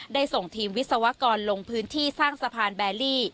ส่งทีมวิศวกรลงพื้นที่สร้างสะพานแบลลี่